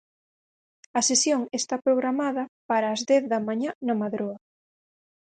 A sesión está programada para as dez da mañá na Madroa.